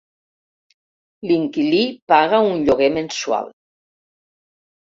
L"inquilí paga un lloguer mensual.